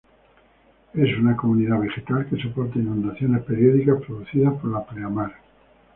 Es una comunidad vegetal que soporta inundaciones periódicas producidas por la pleamar.